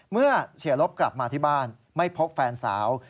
เมื่อเสียลบกลับมาที่บ้านไม่พบแฟนสาว